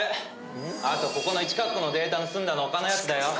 あとここののデータ盗んだの他のヤツだよ。